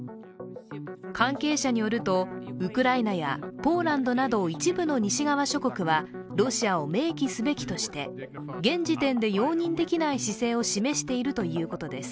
関係者によると、ウクライナやポーランドなど一部の西側諸国はロシアを明記すべきとして現時点で容認できない姿勢を示しているということです。